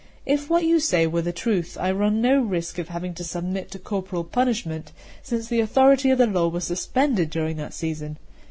If what you say were the truth, I run no risk of having to submit to corporal punishment, since the authority of the law was suspended during that season.